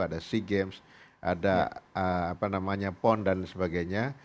ada sea games ada pon dan sebagainya